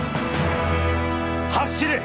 走れ！